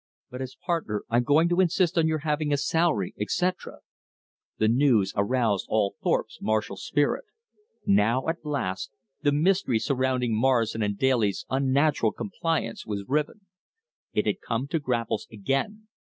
But as partner I'm going to insist on your having a salary etc." The news aroused all Thorpe's martial spirit. Now at last the mystery surrounding Morrison & Daly's unnatural complaisance was riven. It had come to grapples again.